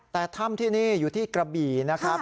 แต่ถ้ำที่นี่อยู่ที่กระบี่นะครับ